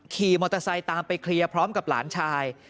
ขี่มอเตอร์ไซค์ตามไปเคลียร์พร้อมกับหลานชาย